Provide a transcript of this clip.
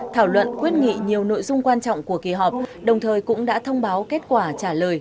thảo luận quyết nghị nhiều nội dung quan trọng của kỳ họp đồng thời cũng đã thông báo kết quả trả lời